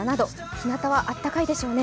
ひなたはあったかいでしょうね。